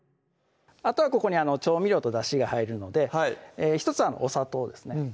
あとはここに調味料とだしが入るので１つはお砂糖ですね